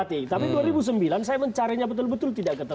tapi dua ribu sembilan saya mencarinya betul betul tidak ketemu